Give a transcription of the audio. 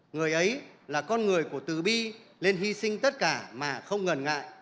người ấy là con người của tử bi nên hy sinh tất cả mà không ngần ngại